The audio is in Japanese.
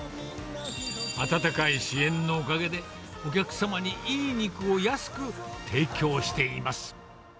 温かい支援のおかげで、お客様にいい肉を安く提供しています。